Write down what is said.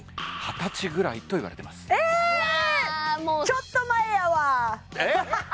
ちょっと前やわえっ？